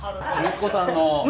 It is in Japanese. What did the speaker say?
息子さん？